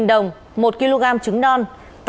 một trăm linh đồng một kg trứng non